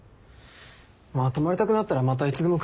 まあ泊まりたくなったらまたいつでも来れば？